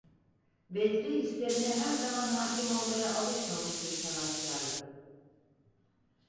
Bedri hislerine her zaman hâkim olmaya alışmamış bir sanatkârdı.